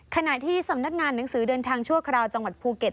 ขณะที่สำนักงานหนังสือเดินทางชั่วคราวจังหวัดภูเก็ต